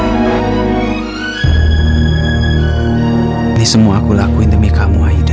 ini semua aku lakuin demi kamu aida